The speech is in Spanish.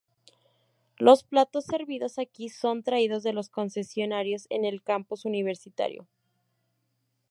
Los platos servidos aquí son traídos de los concesionarios en el campus universitario.